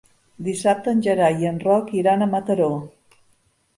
Dissabte en Gerai i en Roc iran a Mataró.